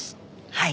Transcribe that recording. はい。